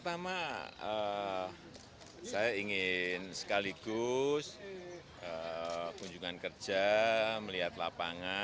terima kasih bapak